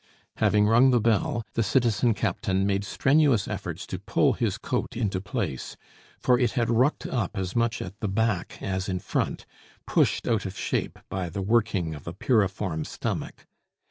Having rung the bell, the citizen captain made strenuous efforts to pull his coat into place, for it had rucked up as much at the back as in front, pushed out of shape by the working of a piriform stomach.